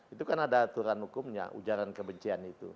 itu kan ada aturan hukumnya ujaran kebencian itu